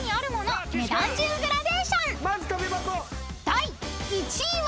［第１位は？］